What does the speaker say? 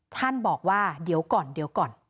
ท่านบอกว่าเดี๋ยวก่อนเดี๋ยวก่อน